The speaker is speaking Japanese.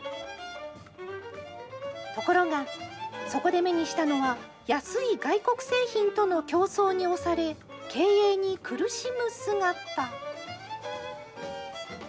ところが、そこで目にしたのは、安い外国製品との競争に押され、経営に苦しむ姿。